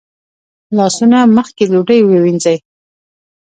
لاسونه مخکې له ډوډۍ ووینځئ